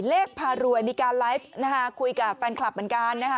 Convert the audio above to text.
พารวยมีการไลฟ์นะคะคุยกับแฟนคลับเหมือนกันนะคะ